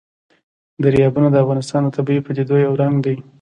دریابونه د افغانستان د طبیعي پدیدو یو رنګ دی.